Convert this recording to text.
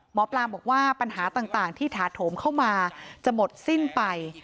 หมอปลาบอกว่าปัญหาต่างที่ถาโถมเข้ามาจะหมดสิ้นไป